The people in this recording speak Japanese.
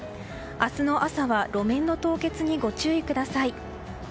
明日の朝は路面の凍結にご注意ください。